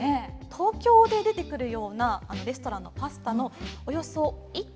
東京で出てくるようなレストランのパスタのおよそ１．５倍の量が。え？